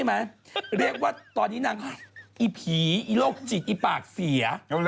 ไอ้ปากเสีย